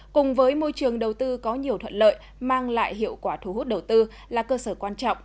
cùng với môi trường đầu tư có nhiều thuận lợi mang lại hiệu quả thu hút đầu tư là cơ sở quan trọng